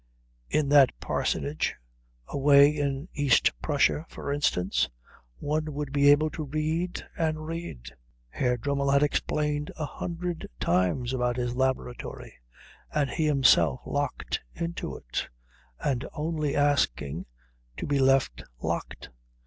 In that parsonage away in East Prussia, for instance, one would be able to read and read.... Herr Dremmel had explained a hundred times about his laboratory, and he himself locked into it and only asking to be left locked.